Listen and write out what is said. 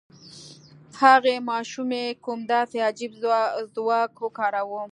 هغې ماشومې کوم داسې عجيب ځواک وکاراوه؟